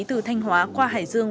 từ thanh hóa qua hải dương